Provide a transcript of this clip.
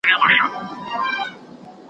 نه یې بیرته سوای قفس پیدا کولای `